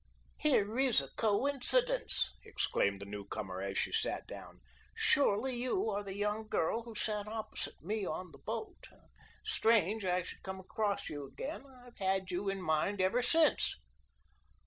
"Here is a coincidence," exclaimed the new comer, as she sat down; "surely you are the young girl who sat opposite me on the boat. Strange I should come across you again. I've had you in mind ever since."